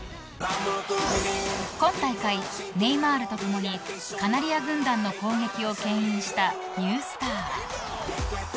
今大会、ネイマールとともにカナリア軍団の攻撃をけん引したニュースター。